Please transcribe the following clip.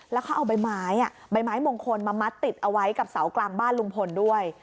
แล้วเขาเอาใบไม้ใบไม้มงคลมามัดติดเอาไว้กับเสากลางบ้านลุงพลด้วย